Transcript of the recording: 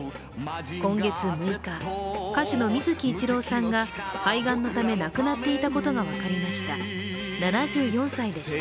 今月６日、歌手の水木一郎さんが肺がんのため、亡くなっていたことが分かりました。